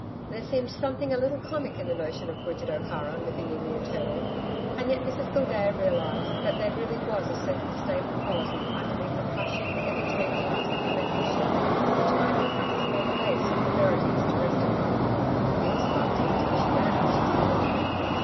There seemed something a little comic in the notion of Bridget O'Hara living in the Eternal, and yet Mrs Gildea realised that there really was a certain stable quality underneath the flashing, ever changing temperamental sheath, which might perhaps form a base for the Verities to rest upon. 'Beelzebub didn't teach you that,' she said.